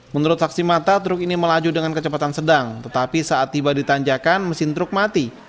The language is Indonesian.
menurut saksi mata truk ini melaju dengan kecepatan sedang tetapi saat tiba di tanjakan mesin truk mati